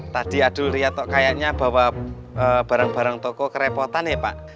tadi adul lihat kayaknya bawa barang barang toko kerepotan ya pak